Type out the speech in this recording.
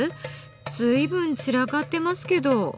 随分散らかってますけど。